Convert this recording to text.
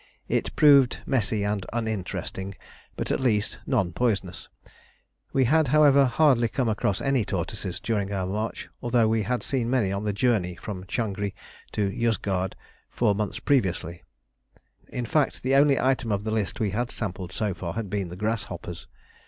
It proved messy and uninteresting, but at least non poisonous. We had, however, hardly come across any tortoises during our march, although we had seen many on the journey from Changri to Yozgad four months previously. In fact, the only item of the list we had sampled so far had been the grasshoppers.